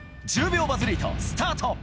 １０秒バズリート、スタート！